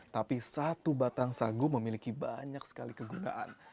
tapi satu batang sagu memiliki banyak sekali kegunaan